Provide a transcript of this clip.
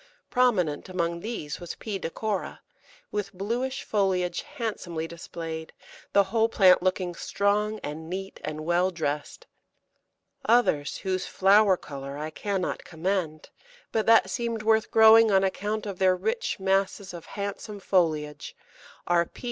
Prominent among these was P. decora, with bluish foliage handsomely displayed, the whole plant looking strong and neat and well dressed. Others whose flower colour I cannot commend, but that seemed worth growing on account of their rich masses of handsome foliage, are _P.